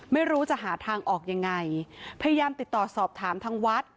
ไม่รู้จะหาทางออกยังไงพยายามติดต่อสอบถามทางวัด